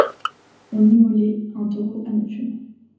On immolait un taureau à Neptune.